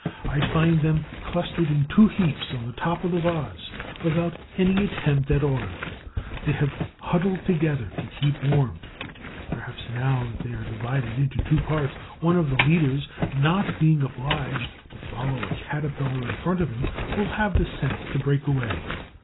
I find them clustered in two heaps on the top of the vase, without any attempt at order. They have huddled together to keep warm. Perhaps, now that they are divided into two parts, one of the leaders, not being obliged to follow a Caterpillar in front of him, will have the sense to break away.